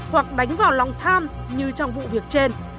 hoặc đánh vào lòng tham như trong vụ việc trên